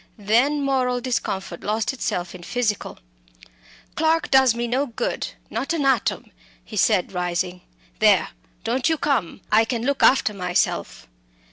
Then moral discomfort lost itself in physical. "Clarke does me no good not an atom," he said, rising. "There don't you come. I Can look after myself."